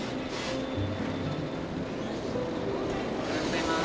おはようございます。